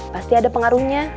pasti ada pengaruhnya